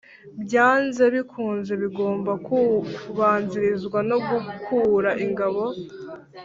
byanze bikunze bigomba kubanzirizwa no gukura ingabo